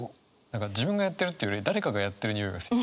何か自分がやってるっていうより誰かがやってるにおいが好き。